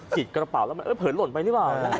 กระเป๋าแล้วมันเผลอหล่นไปหรือเปล่า